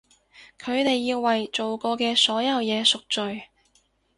佢哋要為做過嘅所有嘢贖罪！